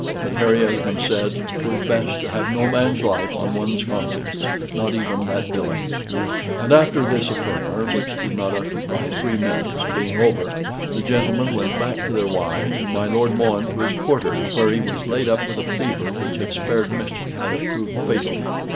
But Harry Esmond said, "'Twas best to have no man's life on one's conscience, not even that villain's." And this affair, which did not occupy three minutes, being over, the gentlemen went back to their wine, and my Lord Mohun to his quarters, where he was laid up with a fever which had spared mischief had it proved fatal.